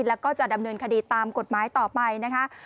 แล้วก็จะดำเนินคดีตามกฎหมายต่อไปนะคะ